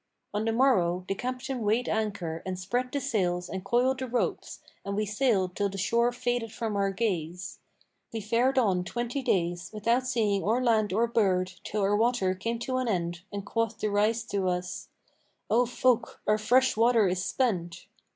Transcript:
On the morrow the Captain weighed anchor and spread the sails and coiled the ropes and we sailed till the shore faded from our gaze. We fared on twenty days, without seeing or land or bird, till our water came to an end and quoth the Rais to us, 'O folk, our fresh water is spent.'